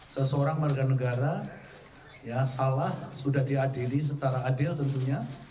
seseorang merganegara salah sudah diadili secara adil tentunya